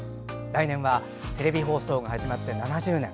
来年はテレビ放送が始まって７０年。